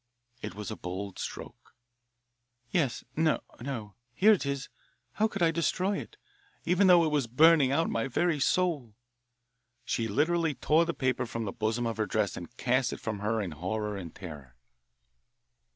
It was a bold stroke. "Yes. No. Here it is. How could I destroy it, even though it was burning out my very soul?" She literally tore the paper from the bosom of her dress and cast it from her in horror and terror.